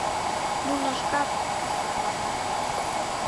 — Нуно шкак ӱскыртланат.